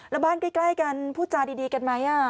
แล้วบ้านใกล้กันพูดจาดีกันไหม